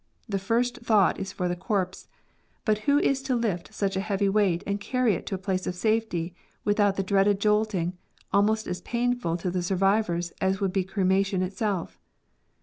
The first thought is for the corpse ; but who is to lift such a heavy weight and carry it to a place of safety with out the dreaded jolting, almost as painful to the sur vivors as would be cremation itself